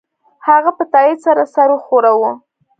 هغه په تایید سره سر وښوراوه